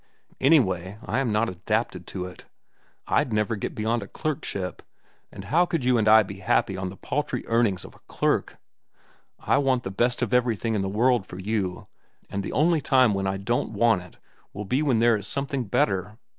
Anyway I am not adapted for it. I'd never get beyond a clerkship, and how could you and I be happy on the paltry earnings of a clerk? I want the best of everything in the world for you, and the only time when I won't want it will be when there is something better.